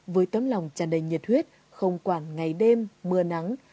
với tấm lòng tràn đầy nhiệt huyết không quản ngày đêm mưa nắng